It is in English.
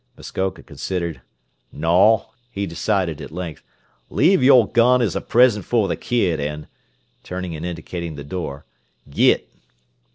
Muskoka considered. "No," he decided at length. "Leave your gun as a present for the kid, and," turning and indicating the door, "git!"